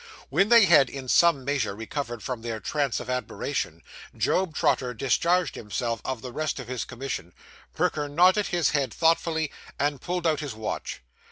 When they had in some measure recovered from their trance of admiration, Job Trotter discharged himself of the rest of his commission. Perker nodded his head thoughtfully, and pulled out his watch.